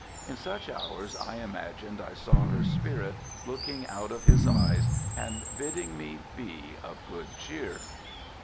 In such hours I imagined I saw her spirit looking out of his eyes and bidding me be of good cheer.